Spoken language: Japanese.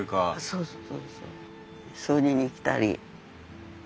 そうそう。